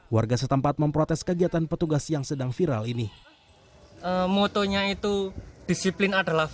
warga setempat memprotes kegiatan petugas yang sedang viral ini